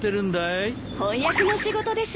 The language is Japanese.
翻訳の仕事です。